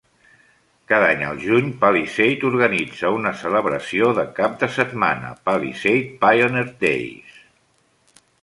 Cada any, al juny, Palisade organitza una celebració de cap de setmana, "Palisade Pioneer Days".